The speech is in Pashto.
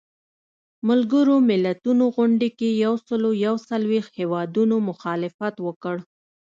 ملګرو ملتونو غونډې کې یو سلو یو څلویښت هیوادونو مخالفت وکړ.